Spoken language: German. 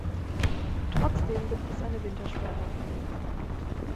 Trotzdem gibt es eine Wintersperre.